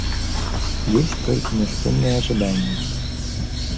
Ёсць толькі няспыннае жаданне.